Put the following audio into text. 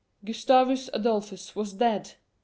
Gustavus Adolphus was dead!